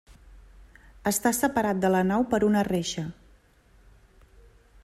Està separat de la nau per una reixa.